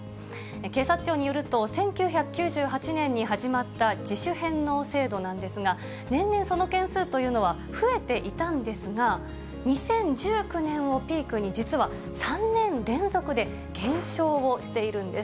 警察庁によると、１９９８年に始まった自主返納制度なんですが、年々その件数というのは増えていたんですが、２０１９年をピークに、実は３年連続で減少をしているんです。